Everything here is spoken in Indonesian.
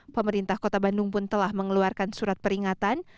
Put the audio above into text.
pemerintah kota bandung pun telah mengeluarkan surat peringatan